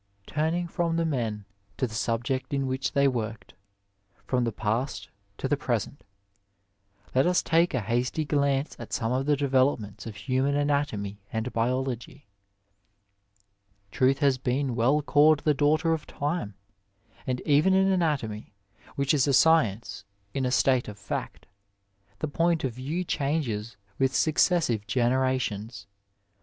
88 Digitized by VjOOQiC THE LEAVEN OP SCIENCiE n Ttuning from the men to the subject in which they worked, from the past to the present, let us take a hasty glanoe at some of the developments of human anatomy and biology. Truth has been well called the daughter of Time, and even in anatomy, which is a science in a state of fact, the point of view changes with successive generations.